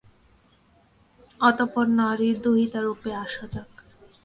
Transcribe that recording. অতঃপর নারীর দুহিতারূপে আসা যাক।